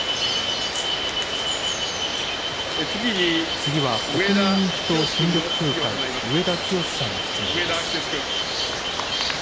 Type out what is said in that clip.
次は国民民主党・新緑風会、上田清司さんの質問です。